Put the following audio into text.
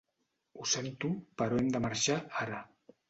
Ho sento però hem de marxar ara.